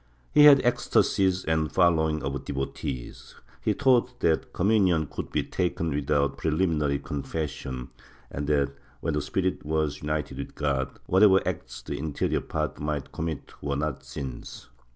He had ecstasies and a following of devotees; he taught that communion could be taken without preliminary confession and that, when the spirit was united with God, whatever acts the inferior part might commit were not sins.